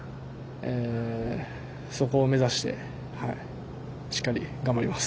そこを目指してしっかり頑張ります。